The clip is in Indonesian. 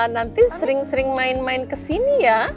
nanti sering sering main main kesini ya